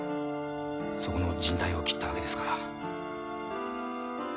そこのじん帯を切ったわけですから。